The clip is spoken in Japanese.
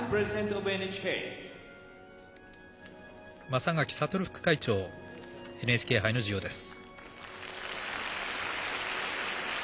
正がき聡副会長によるＮＨＫ杯の授与です。